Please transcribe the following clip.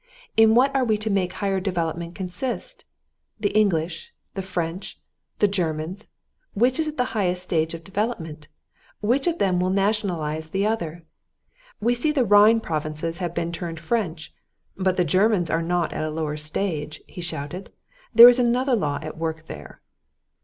"In what are we to make higher development consist? The English, the French, the Germans, which is at the highest stage of development? Which of them will nationalize the other? We see the Rhine provinces have been turned French, but the Germans are not at a lower stage!" he shouted. "There is another law at work there."